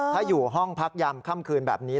ถ้าอยู่ห้องพักยามค่ำคืนแบบนี้